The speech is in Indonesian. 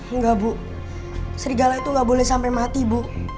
enggak bu serigala itu nggak boleh sampai mati bu